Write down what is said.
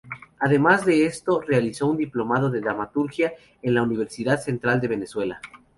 Además de esto realizó un Diplomado de Dramaturgia en la Universidad Central de Venezuela.